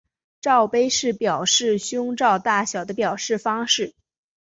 罩杯是表示胸罩的大小的表示方式。